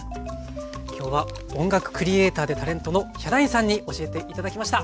今日は音楽クリエーターでタレントのヒャダインさんに教えて頂きました。